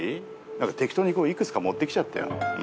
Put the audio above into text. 何か適当に幾つか持ってきちゃってよ。